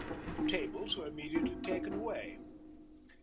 The tables were immediately taken away.